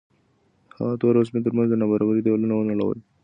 هغه د تور او سپین تر منځ د نابرابرۍ دېوالونه ونړول.